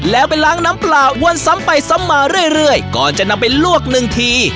แล้วไปล้างน้ำเปล่าวนซ้ำไปซ้ำมาเรื่อยก่อนจะนำไปลวกหนึ่งที